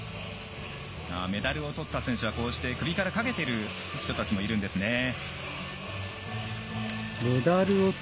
メダルをとった選手はこうして首からかけている人たちもいるんですね。